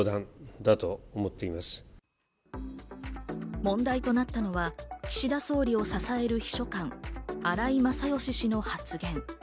問題となったのは、岸田総理を支える秘書官・荒井勝喜氏の発言。